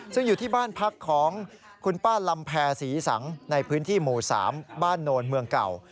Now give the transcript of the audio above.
ซึ่งอยู่ที่บ้านพักของคนป้าลำแพ่ศรีศังข์ในพิวัติที่หมู่สามบ้านโนร์เมืองเก่า